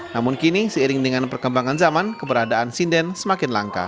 namun kini seiring dengan perkembangan zaman keberadaan sinden semakin langka